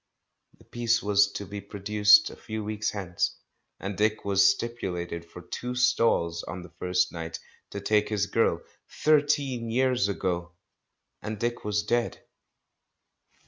The piece was to be produced a few weeks hence, and Dick had stip ulated for tico stalls on the first night, to take his girl. ... Thirteen years ago! And Dick was dead.